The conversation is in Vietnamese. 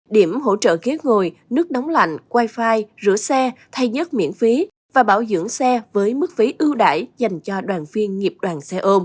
điểm hỗ trợ ghế ngồi nước đóng lạnh wifi rửa xe thay nhất miễn phí và bảo dưỡng xe với mức phí ưu đại dành cho đoàn viên nghiệp đoàn xe ôm